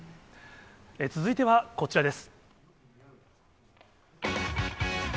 続いてはこちらです。